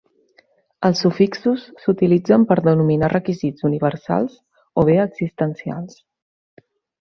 Els sufixos s'utilitzen per denominar requisits "universals" o bé "existencials".